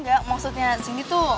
gak maksudnya sini tuh